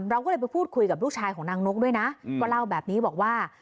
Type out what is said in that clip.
เราก็เลยไปพูดคุยกับลูกชายของนางนกด้วยนะก็เล่าแบบนี้บอกว่า